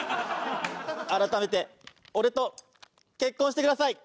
改めて俺と結婚してください！